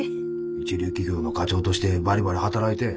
一流企業の課長としてバリバリ働いて。